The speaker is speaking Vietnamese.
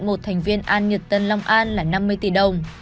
một thành viên an nhật tân long an là năm mươi tỷ đồng